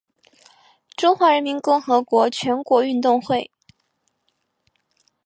中华人民共和国全国运动会。